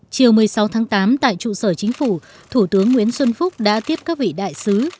chiều một mươi sáu tháng tám tại trụ sở chính phủ thủ tướng nguyễn xuân phúc đã tiếp các vị đại sứ